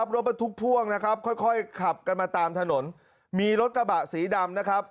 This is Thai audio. รถบรรทุกพ่วงนะครับค่อยค่อยขับกันมาตามถนนมีรถกระบะสีดำนะครับ